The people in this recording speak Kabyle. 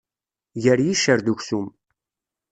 Gar yiccer d uksum.